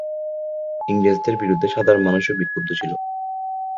ইংরেজদের বিরুদ্ধে সাধারণ মানুষও বিক্ষুব্ধ ছিল।